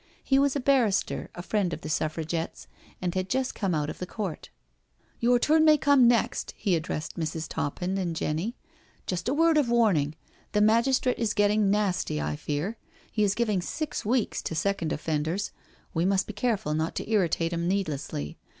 He was a barrister, a friend of the SuffragetteSj and had just come out of the court. " Your turn may come next.*' He addressed Mrs. Toppin and Jenny. " Just a word of warning. The magistrate is getting nasty, I fear. He is giving six weeks to second offenders — we must be careful not to irritate him needlessly.